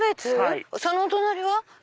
そのお隣は？